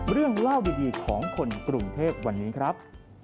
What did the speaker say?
เรื่องเล่าดีของคนกรุงเทพวันนี้ครับ